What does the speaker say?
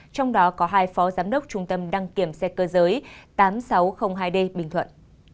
trong đó có hai phó giám đốc trung tâm đăng kiểm xe cơ giới tám nghìn sáu trăm linh hai d bình thuận